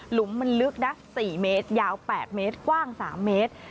มันลึกนะ๔เมตรยาว๘เมตรกว้าง๓เมตร